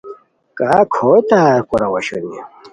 کا کھوئے تیار کوراؤ اوشونی